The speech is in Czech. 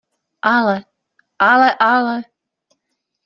Ale, ale ale.